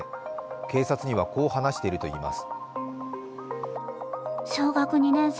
警察にはこう話しているといいます。